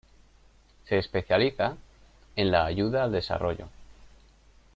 Se especializa en la ayuda al desarrollo.